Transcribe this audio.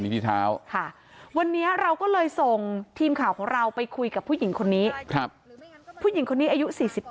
ที่เท้าค่ะวันนี้เราก็เลยส่งทีมข่าวของเราไปคุยกับผู้หญิงคนนี้ผู้หญิงคนนี้อายุ๔๕